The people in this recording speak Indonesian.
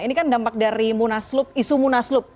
ini kan dampak dari isu munaslub